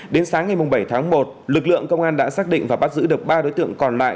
đến sáng ngày bảy tháng một lực lượng công an đã xác định và bắt giữ được ba đối tượng còn lại